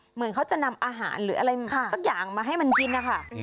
เหมือนเขาจะนำอาหารหรืออะไรสักอย่างมาให้มันกินนะคะ